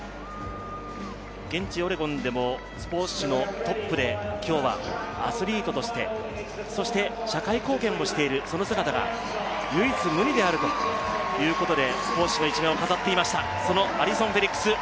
現地オレゴンでもスポーツ誌のトップで今日は、アスリートとしてそして社会貢献もしているその姿が唯一無二であるということでスポーツ紙の１面を飾っていました。